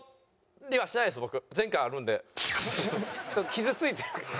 傷ついてるから。